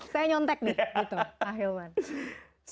saya nyontek nih gitu ahilman